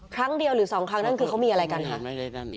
ครั้งเดียวหรือสองครั้งนั่นคือเขามีอะไรกันคะ